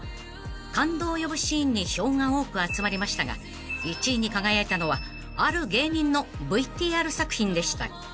［感動を呼ぶシーンに票が多く集まりましたが１位に輝いたのはある芸人のＶＴＲ作品でした］